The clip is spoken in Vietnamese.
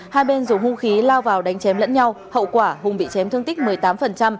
hai bên dùng hung khí lao vào đánh chém lẫn nhau hậu quả hùng bị chém thương tích một mươi tám